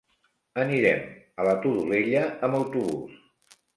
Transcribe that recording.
Anirem a la Todolella amb autobús.